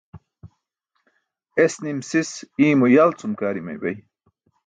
Es nim sis iymo yal cum ke ar imaybay.